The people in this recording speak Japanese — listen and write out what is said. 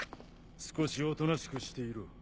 少しおとなしくしていろ。